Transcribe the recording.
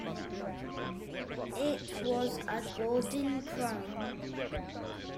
It was a golden crown.